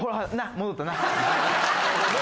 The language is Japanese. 戻ったな？